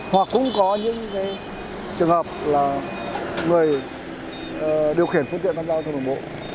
hoặc cũng có những trường hợp là người điều khiển phương tiện giao thông đường bộ